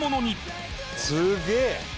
すげえ！